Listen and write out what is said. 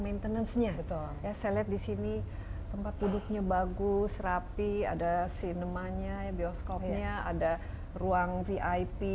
maintenance nya itu ya saya lihat di sini tempat duduknya bagus rapi ada sinemanya bioskopnya ada ruang vip